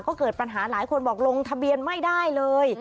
ก็เกิดปัญหาหลายคนบอกลงทะเบียนไม่ได้เลย